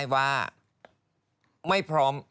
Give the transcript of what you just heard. ไม่พร้อม